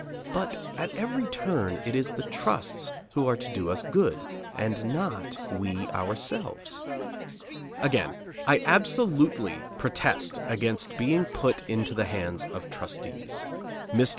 But at every turn it is the trusts who are to do us good, and not we ourselves. Again, I absolutely protest against being put into the hands of trustees. Mr.